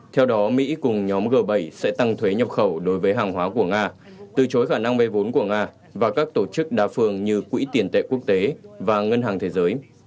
theo đó mỹ cùng nhóm g bảy sẽ tăng thuế nhập khẩu đối với hàng hóa của nga từ chối khả năng vây vốn của nga và các tổ chức đa phương như quỹ tiền tệ quốc tế và ngân hàng thế giới